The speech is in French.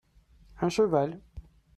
Un cheval.